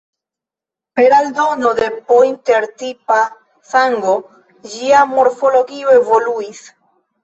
Per aldono de pointer-tipa sango, ĝia morfologio evoluis.